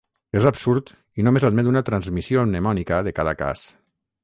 És absurd i només admet una transmissió mnemònica de cada cas.